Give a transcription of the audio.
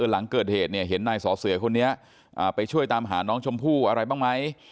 หลังเกิดเหตุเนี่ยเห็นนายสอเสือคนนี้ไปช่วยตามหาน้องชมพู่อะไรบ้างไหม